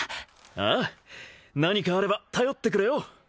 ああ何かあれば頼ってくれよ